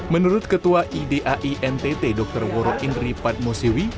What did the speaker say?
menurut ketua idai ntt dr woro indri padmosiwi